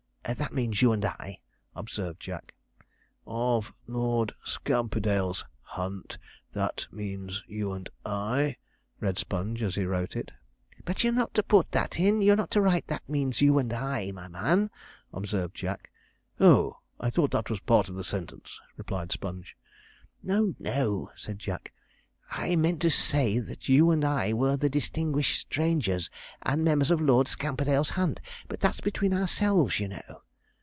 That means you and I,' observed Jack. '"Of Lord Scamperdale's hunt that means you and I"' read Sponge, as he wrote it. 'But you're not to put in that; you're not to write "that means you and I," my man,' observed Jack. 'Oh, I thought that was part of the sentence,' replied Sponge. 'No, no,' said Jack; 'I meant to say that you and I were the distinguished strangers and members of Lord Scamperdale's hunt; but that's between ourselves, you know.'